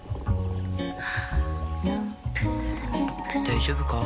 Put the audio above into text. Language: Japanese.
大丈夫か？